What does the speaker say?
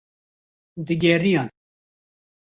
digeriyan